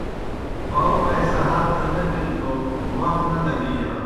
پاؤ پائسہ ہت دہ نہ بِلوْ توْ وخ نہ لگِجانوْ۔